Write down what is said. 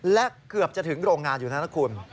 และเกือบจะถึงโรงงานอยู่นะคุณ